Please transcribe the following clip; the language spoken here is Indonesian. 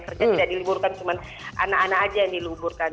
kerja tidak diliburkan cuma anak anak aja yang diluburkan